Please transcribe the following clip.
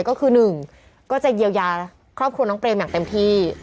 ก็คือ๑ก็จะเยียวยาครอบครัวน้องเปรมอย่างเต็มที่